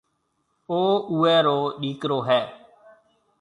او اُوئي رو ڏِيڪرو هيَ